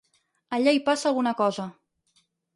Allà hi passa alguna cosa.